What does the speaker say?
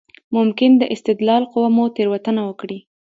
ممکن د استدلال قوه مو تېروتنه وکړي.